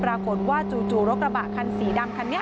ปรากฏว่าจู่รถกระบะคันสีดำคันนี้